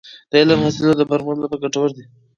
د علم حاصلول د پرمختګ لپاره ګټور دی.